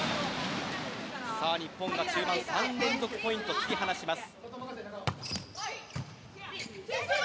日本が３連続ポイント引き離します。